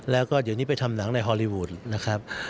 แล้วก็เดี๋ยวนี้ไปทำหนังในฮอลลีวูดนะครับ